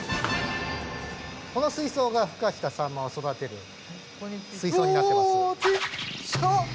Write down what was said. この水槽がふ化したサンマを育てる水槽になってます。